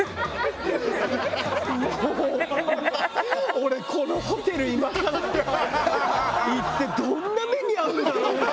俺このホテル今から行ってどんな目に遭うんだろう。